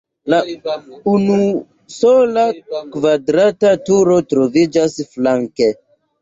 La unusola kvadrata turo troviĝas flanke.